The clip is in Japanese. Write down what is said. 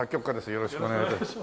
よろしくお願いします。